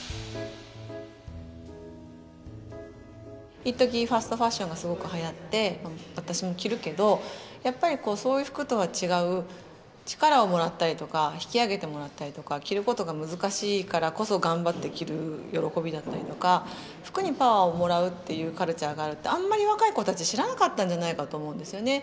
いっときファストファッションがすごく流行って私も着るけどやっぱりそういう服とは違う力をもらったりとか引き上げてもらったりとか着ることが難しいからこそ頑張って着る喜びだったりとか服にパワーをもらうっていうカルチャーがあるってあんまり若い子たち知らなかったんじゃないかと思うんですよね。